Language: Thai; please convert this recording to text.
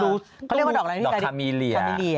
เขาเรียกว่าดอกอะไรนี่ค่ะ